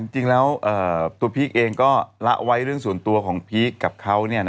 ตัวพี่เองก็รับไว้เรื่องส่วนตัวคุณกับเขา